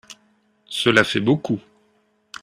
Cela fait beaucoup.